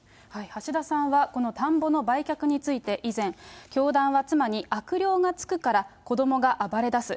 橋田さんは、この田んぼの売却について以前、教団は妻に、悪霊がつくから子どもが暴れ出す。